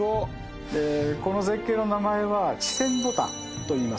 この絶景の名前は池泉牡丹といいます。